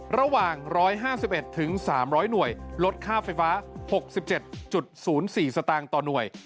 ระหว่าง๑๕๑๓๐๐หน่วยลดค่าไฟฟ้า๖๗๐๔สตางค์ต่อหน่วย